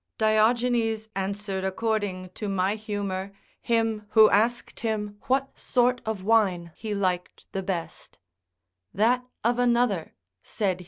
Diogenes answered according to my humour him who asked him what sort of wine he liked the best: "That of another," said he.